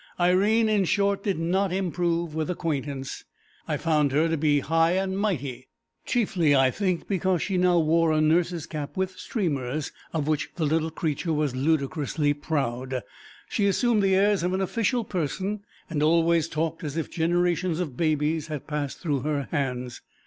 Irene, in short, did not improve with acquaintance. I found her to be high and mighty, chiefly, I think, because she now wore a nurse's cap with streamers, of which the little creature was ludicrously proud. She assumed the airs of an official person, and always talked as if generations of babies had passed through her hands.